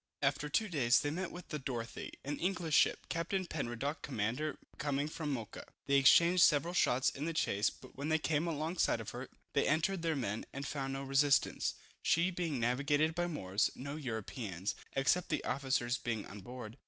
After two days they met with the Dorothy, an English ship, Captain Penruddock, commander, coming from Mocha. They exchanged several shots in the chase, but when they came along side of her, they entered their men, and found no resistance, she being navigated by Moors, no Europeans, except the officers being on board.